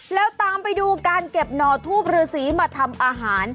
แล้วตามไปดูการเก็บหน่อทูปฤษีมาทำอาหาร